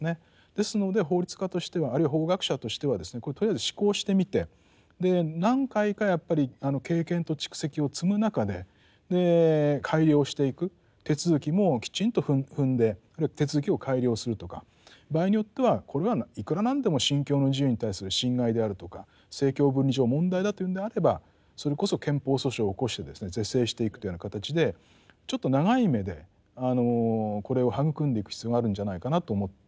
ですので法律家としてはあるいは法学者としてはですねこれとりあえず試行してみて何回かやっぱり経験と蓄積を積む中で改良していく手続きもきちんと踏んであるいは手続きを改良するとか場合によってはこれはいくらなんでも信教の自由に対する侵害であるとか政教分離上問題だというんであればそれこそ憲法訴訟を起こしてですね是正していくというような形でちょっと長い目でこれを育んでいく必要があるんじゃないかなと思っております。